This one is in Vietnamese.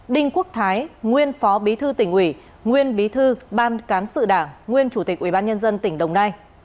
đinh quốc thái nguyên phó bí thư tỉnh ủy nguyên bí thư ban cán sự đảng nguyên chủ tịch ubnd tỉnh đồng nai